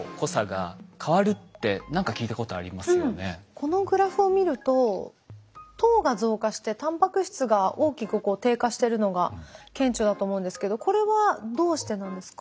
このグラフを見ると糖が増加してタンパク質が大きく低下してるのが顕著だと思うんですけどこれはどうしてなんですか？